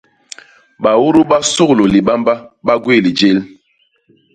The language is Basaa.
Baudu ba suglu Libamba ba gwéé lijél.